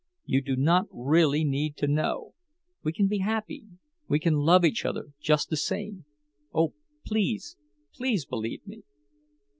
You do not really need to know. We can be happy—we can love each other just the same. Oh, please, please, believe me!"